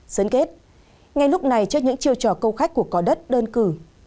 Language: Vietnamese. xin kết ngay lúc này cho những chiêu trò câu khách của có đất đơn cử